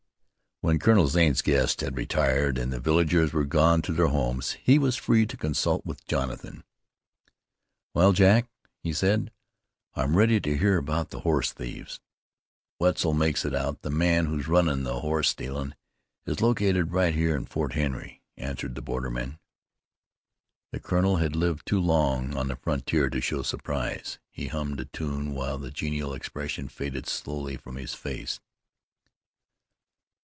When Colonel Zane's guests had retired, and the villagers were gone to their homes, he was free to consult with Jonathan. "Well, Jack," he said, "I'm ready to hear about the horse thieves." "Wetzel makes it out the man who's runnin' this hoss stealin' is located right here in Fort Henry," answered the borderman. The colonel had lived too long on the frontier to show surprise; he hummed a tune while the genial expression faded slowly from his face.